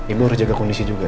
ibu harus jaga kondisi juga